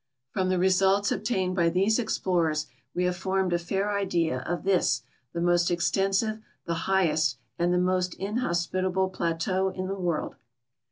From the resultsobtained by these explorers Ave have formed a fair idea of this, the most extensive, the highest, and the most inhospitable plateau in the world.